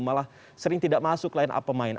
malah sering tidak masuk lain pemain